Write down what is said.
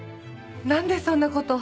何でそんなこと。